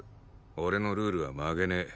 俺のルールは曲げねえ。